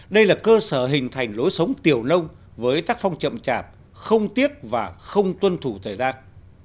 đây là cơ sở hình thành lối sống tiểu lông với tác phong chậm chạp không tiết và không tuân thủ thời gian